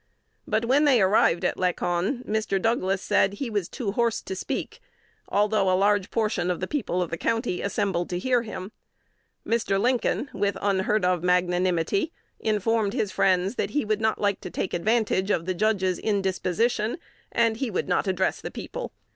But, when they arrived at Lacon, Mr. Douglas said he was too hoarse to speak, although, "a large portion of the people of the county assembled to hear him." Mr. Lincoln, with unheard of magnanimity, "informed his friends that he would not like to take advantage of the judge's indisposition, and would not address the people."